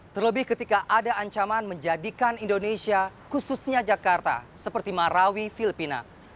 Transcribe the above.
terlebih ketika ada ancaman menjadikan indonesia khususnya jakarta seperti marawi filipina